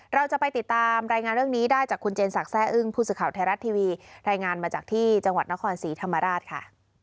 เราจะไปติดตามรายงานเรื่องนี้ได้จากคุณเจนสักแร่อึ้งผู้สื่อข่าวไทยรัฐทีวีรายงานมาจากที่จังหวัดนครศรีธรรมราชค่ะ